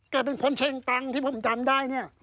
เป็นคนเช็งตังค์ที่ผมจำได้เนี่ย